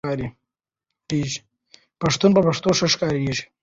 پښتون په پښتو ښه ښکاریږي